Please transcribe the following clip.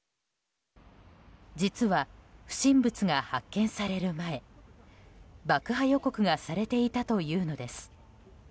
実は、不審物が発見される前爆破予告がされていたというのです。